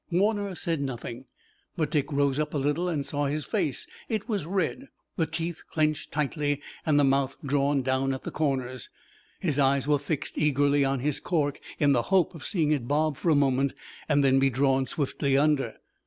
Warner said nothing, but Dick rose up a little and saw his face. It was red, the teeth clenched tightly, and the mouth drawn down at the corners. His eyes were fixed eagerly on his cork in the hope of seeing it bob for a moment and then be drawn swiftly under.